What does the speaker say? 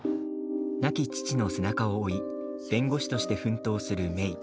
亡き父の背中を追い弁護士として奮闘する芽依。